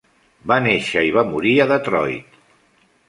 Va néixer i va morir a Detroit.